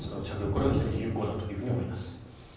これは非常に有効だと思います。